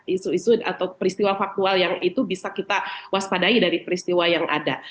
isu isu atau peristiwa faktual yang itu bisa kita waspadai dari peristiwa yang ada